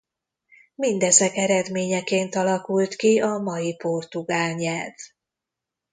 Mindezek eredményeként alakult ki a mai portugál nyelv.